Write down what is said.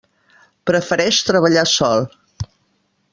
Prefereix treballar sol.